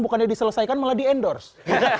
bukannya diselesaikan malah di endorse